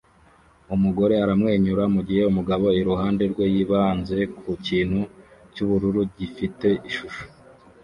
Umugore aramwenyura mugihe umugabo iruhande rwe yibanze ku kintu cyubururu gifite ishusho